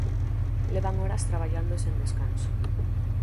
Levan horas traballando sen descanso.